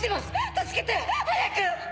助けて！早く！